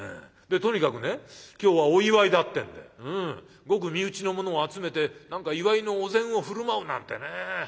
とにかくね今日はお祝いだってんでごく身内の者を集めて何か祝いのお膳を振る舞うなんてね。